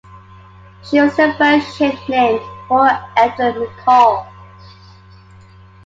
She was the first ship named for Edward McCall.